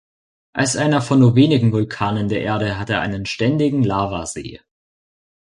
Als einer von nur wenigen Vulkanen der Erde hat er einen ständigen Lavasee.